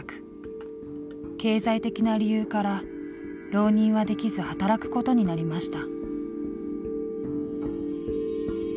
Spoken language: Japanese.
経済的な理由から浪人はできず働くことになりました。